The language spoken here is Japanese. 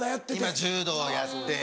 今柔道やって。